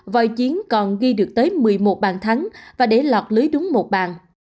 vòi chiến còn ghi được tới một mươi một bàn thắng và để lọt lưới đúng một bàn